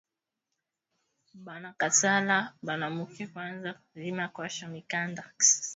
Banakatala banamuke kwanza kurima kwasho mikanda